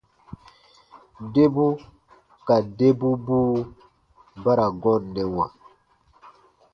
Debu ka debubuu ba ra gɔnnɛwa.